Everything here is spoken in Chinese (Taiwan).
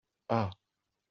啊～